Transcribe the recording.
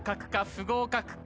不合格か？